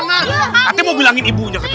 pak ade mau bilangin ibunya ke tadi